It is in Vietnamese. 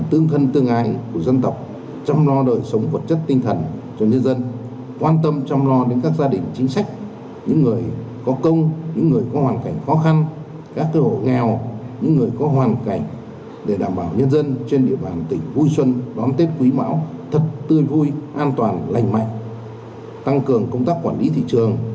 tết quý mão thật tươi vui an toàn lành mạnh tăng cường công tác quản lý thị trường